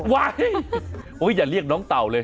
ไว้โอ้ยอย่าเรียกน้องเต่าเลย